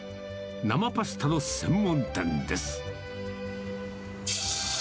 生パスタの専門店です。